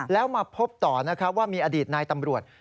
แล้วมาพบต่อนะครับว่ามีอดีตนายตำรวจ